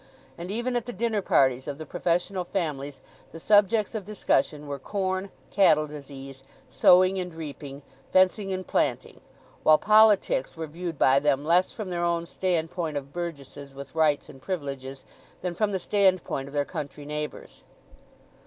And even at the dinner parties of the professional families the subjects of discussion were corn, cattle disease, sowing and reaping, fencing and planting; while politics were viewed by them less from their own standpoint of burgesses with rights and privileges than from the standpoint of their country neighbours.